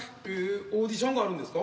オーディションがあるんですか？